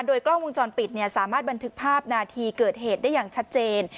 โดยกล้องวงจรปิดสามารถบันทึกภาพนาทีเกิดเหตุได้อย่างชัดเจน